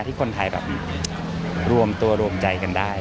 ที่คนไทยแบบรวมตัวรวมใจกันได้